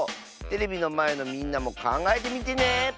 テレビのまえのみんなもかんがえてみてね！